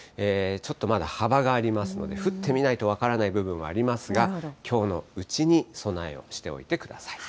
ちょっとまだ幅がありますので、降ってみないと分からない部分はありますが、きょうのうちに備えをしておいてください。